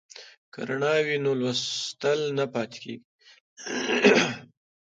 که رڼا وي نو لوستل نه پاتې کیږي.